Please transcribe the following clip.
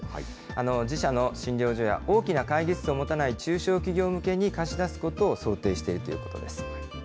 自社の診療所や大きな会議室を持たない中小企業向けに貸し出すことを想定しているということです。